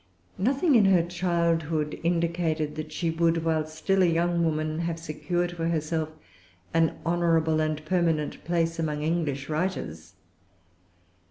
Nothing in her childhood indicated that she would, while still a young woman, have secured for herself an honorable and permanent place among English writers.